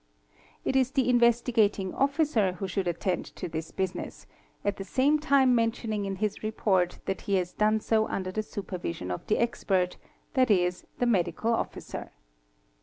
It is the Investigating Officer who should attend to this business, at the same _ time mentioning in his report that he has done so under the supervision of the expert, i.c., the medical officer.